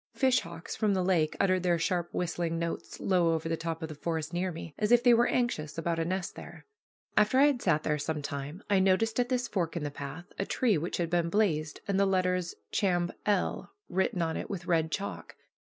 Fish hawks from the lake uttered their sharp whistling notes low over the top of the forest near me, as if they were anxious about a nest there. After I had sat there some time I noticed at this fork in the path a tree which had been blazed, and the letters "Chamb. L." written on it with red chalk.